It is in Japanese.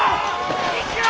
生きろ！